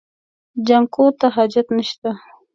جانکو ته حاجت نشته.